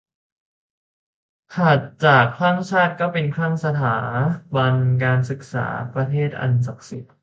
ถัดจากคลั่งชาติ เป็นคลั่งสถาบันการศึกษา ประเทศอันศักดิ์สิทธิ์